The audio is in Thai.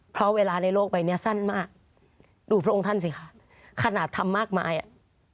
เพราะเวลาในโลกใบเนี้ยสั้นมากดูพระองค์ท่านสิคะขนาดทำมากมายอ่ะ